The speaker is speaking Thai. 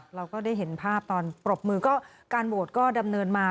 เราก็ได้เห็นภาพตอนปรบมือก็การโหวตก็ดำเนินมา